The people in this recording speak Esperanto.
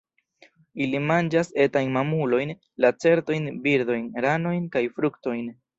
Ili manĝas etajn mamulojn, lacertojn, birdojn, ranojn kaj fruktojn.